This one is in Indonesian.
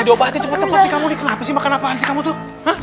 coba baca cepet cepet nih kamu nih kenapa sih makan apaan sih kamu tuh